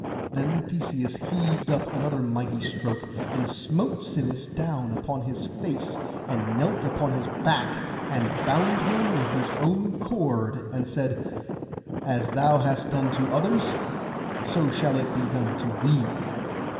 Then Theseus heaved up another mighty stroke, and smote Sinis down upon his face; and knelt upon his back, and bound him with his own cord, and said, 'As thou hast done to others, so shall it be done to thee.